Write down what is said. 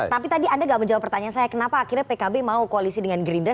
tapi tadi anda tidak menjawab pertanyaan saya kenapa akhirnya pkb mau koalisi dengan gerindra